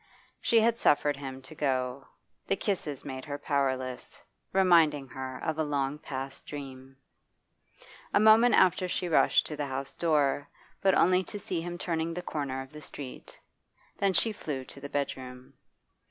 She had suffered him to go; the kisses made her powerless, reminding her of a long past dream. A moment after she rushed to the house door, but only to see him turning the corner of the street Then she flew to the bedroom.